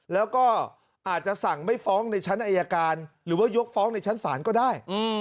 แล้วก็อาจจะสั่งไม่ฟ้องในชั้นอายการหรือว่ายกฟ้องในชั้นศาลก็ได้